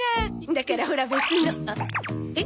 だからほら別のあっ。